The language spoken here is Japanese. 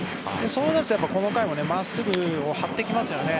そうなると、この回も真っすぐを張ってきますよね。